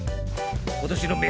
今年の明